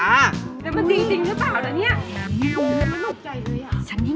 แล้วมันจริงหรือเปล่านะเนี่ย